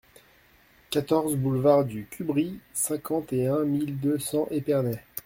quatorze boulevard du Cubry, cinquante et un mille deux cents Épernay